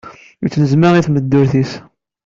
Yettneẓma i tmeddurt-is.